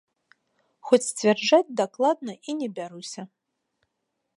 Хоць сцвярджаць дакладна і не бяруся.